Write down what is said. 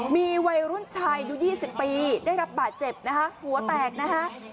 มีวัยรุ่นชายอายุ๒๐ปีได้รับบาดเจ็บนะคะหัวแตกนะฮะ